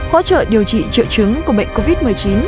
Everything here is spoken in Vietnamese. hỗ trợ điều trị triệu chứng của bệnh covid một mươi chín